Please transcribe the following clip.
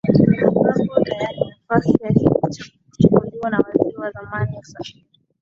ambapo tayari nafasi yake imechukuliwa na waziri wa zamani usafiri